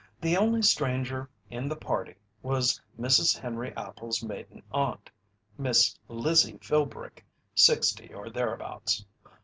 The only stranger in the party was Mrs. Henry Appel's maiden aunt Miss Lizzie Philbrick sixty or thereabouts.